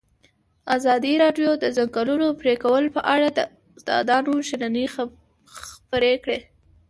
ازادي راډیو د د ځنګلونو پرېکول په اړه د استادانو شننې خپرې کړي.